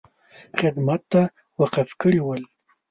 خدمت ته وقف کړي ول.